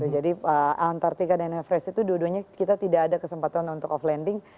jadi antartika dan everest itu dua duanya kita tidak ada kesempatan untuk off landing